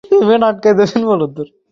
গুরুত্বপূর্ণ কিছু নেই।